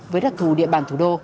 với đặc thù địa bàn thủ đô